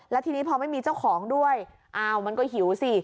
แล้วทีนี้พอไม่มีเจ้าของด้วยอ้าวมันก็หิวสิ